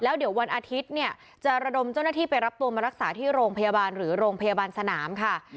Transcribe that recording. แล้วเดี๋ยววันอาทิตย์เนี่ยจะระดมเจ้าหน้าที่ไปรับตัวมารักษาที่โรงพยาบาลหรือโรงพยาบาลสนามค่ะ